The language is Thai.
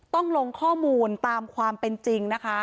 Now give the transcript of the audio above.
ต้องลงข้อมูลตามความเป็นจริงนะคะ